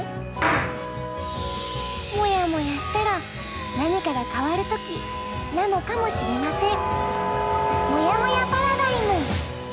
もやもやしたら何かが変わる時なのかもしれません。